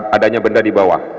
adanya benda di bawah